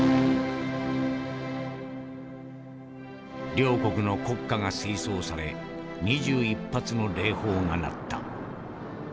「両国の国歌が吹奏され２１発の礼砲が鳴った。